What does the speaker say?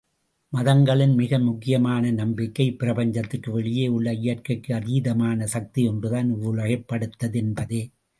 மதங்களின் மிக முக்கியமான நம்பிக்கை, இப்பிரபஞ்சத்திற்கு வெளியே உள்ள இயற்கைக்கு அதீதமான சக்தி ஒன்றுதான் இவ்வுலகைப் படைத்தது என்பதே.